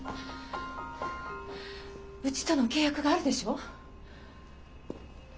うちとの契約があるでしょ？